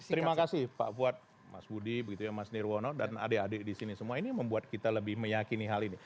terima kasih pak fuad mas budi mas nirwono dan adik adik di sini semua ini membuat kita lebih meyakini hal ini